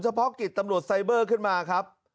เพาะกิจตำรวจไซเบอร์ขึ้นมาครับ